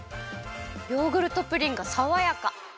ヨーグルトプリンがさわやか！